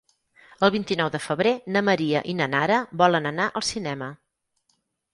El vint-i-nou de febrer na Maria i na Nara volen anar al cinema.